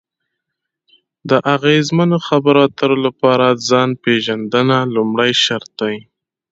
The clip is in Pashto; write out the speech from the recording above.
د اغیزمنو خبرو اترو لپاره ځان پېژندنه لومړی شرط دی.